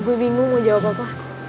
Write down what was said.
gue bingung mau jawab apa apa